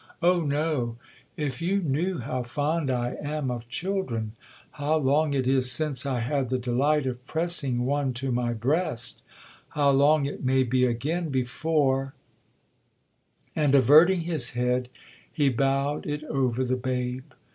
'Oh, no—if you knew how fond I am of children,—how long it is since I had the delight of pressing one to my breast—how long it may be again before'—and averting his head, he bowed it over the babe.